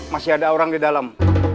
masih ada orang di dalam